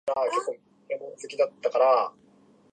どんだけ文章の収集手伝えば話すの録音ができるの？